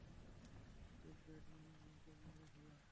Code red মানে আমাকে মেরে ফেলা?